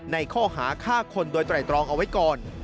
ในข้อหาฆ่าคนโดยไตรตรองเอาไว้ก่อน